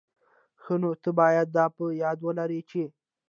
ښه، نو ته بايد دا په یاد ولري چي...